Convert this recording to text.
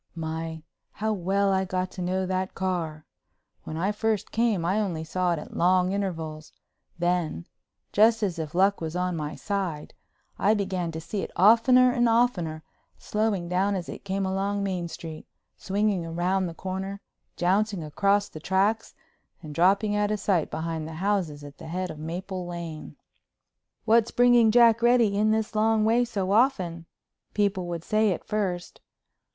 My, how well I got to know that car! When I first came I only saw it at long intervals. Then—just as if luck was on my side—I began to see it oftener and oftener, slowing down as it came along Main Street, swinging round the corner, jouncing across the tracks, and dropping out of sight behind the houses at the head of Maple Lane. "What's bringing Jack Reddy in this long way so often?" people would say at first.